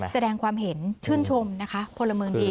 แสดงความเห็นชื่นชมนะคะพลเมืองดี